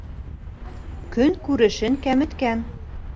Көн-күрешен кәметкән.